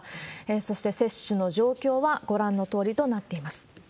そして、接種の状況はご覧のとおりとなっています。